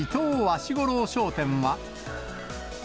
四五郎商店は。